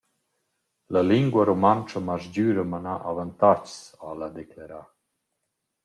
«La lingua rumauntscha m’ha sgüra manà avantags», ha’la declerà.